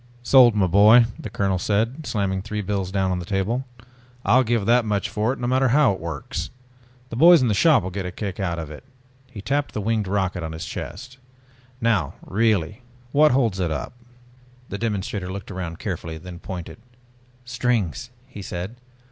"Sold, my boy!" the colonel said, slamming three bills down on the table. "I'll give that much for it no matter how it works. The boys in the shop will get a kick out of it," he tapped the winged rocket on his chest. "Now really what holds it up?" The demonstrator looked around carefully, then pointed. "Strings!" he said.